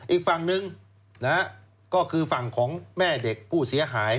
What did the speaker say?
อีกฝั่งหนึ่งนะฮะก็คือฝั่งของแม่เด็กผู้เสียหาย